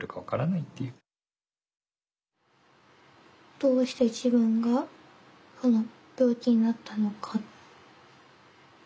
どうして自分が病気になったのか。